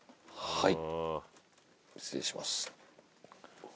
はい。